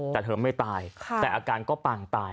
แต่เธอไม่ตายแต่อาการก็ปางตาย